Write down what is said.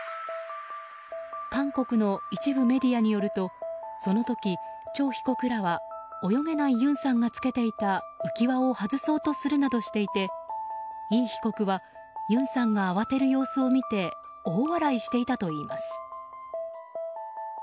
韓国の一部メディアによるとその時、チョ被告らは泳げないユンさんがつけていた浮き輪を外そうとするなどしていてイ被告はユンさんが慌てる様子を見て大笑いしていたといいます。